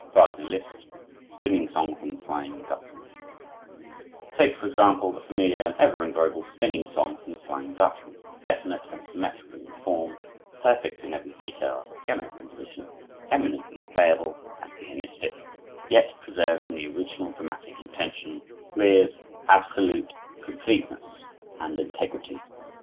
Wagner Liszt: Spinning Song, from the "Flying Dutchman" Take, for example, the familiar and ever enjoyable "Spinning Song" from the "Flying Dutchman," definite and symmetrical in form, perfect in every detail as a piano composition, eminently playable and pianistic, yet preserving the original dramatic intention with absolute completeness and integrity.